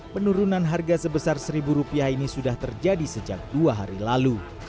penurunan harga sebesar rp satu ini sudah terjadi sejak dua hari lalu